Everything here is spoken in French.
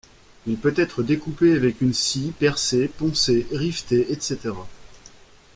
Il peut être découpé avec une scie, percé, poncé, riveté, etc.